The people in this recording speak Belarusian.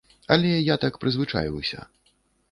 Але я так прызвычаіўся.